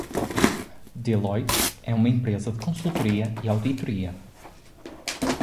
Deloitte é uma empresa de consultoria e auditoria.